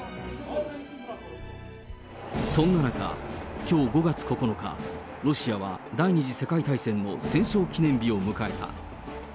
そんな中、きょう５月９日、ロシアは、第２次世界大戦の戦勝記念日を迎えた。